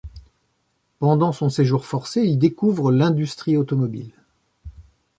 Pendant son séjour forcé, il découvre l'industrie automobile.